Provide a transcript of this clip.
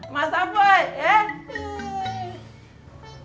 mas pui ya